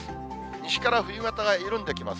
西から冬型が緩んできます。